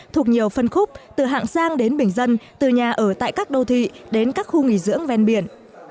thuộc nhiều phân khúc từ hạng sang đến bình dân từ nhà ở tại các đô thị đến các khu nghỉ dưỡng ven biển